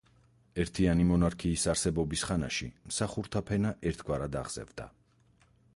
ერთიანი მონარქიის არსებობის ხანაში მსახურთა ფენა ერთგვარად აღზევდა.